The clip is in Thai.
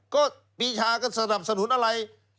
ก็ปีชาก็สนับสนุนอะไร